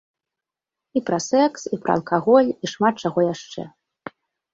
І пра секс, і пра алкаголь, і шмат чаго яшчэ.